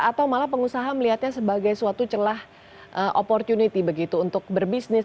atau malah pengusaha melihatnya sebagai suatu celah opportunity begitu untuk berbisnis